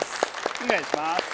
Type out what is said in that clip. お願いします！